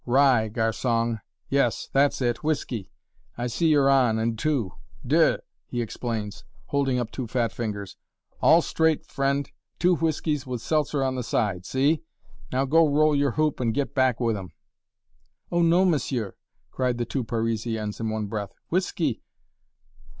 Rye, garsong! yes, that's it whiskey I see you're on, and two. Deux!" he explains, holding up two fat fingers, "all straight, friend two whiskeys with seltzer on the side see? Now go roll your hoop and git back with 'em." "Oh, non, monsieur!" cried the two Parisiennes in one breath; "whiskey!